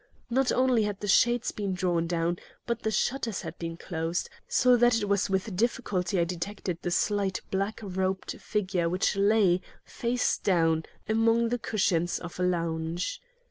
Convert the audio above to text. Not only had the shades been drawn down, but the shutters had been closed, so that it was with difficulty I detected the slight, black robed figure which lay, face down, among the cushions of a lounge.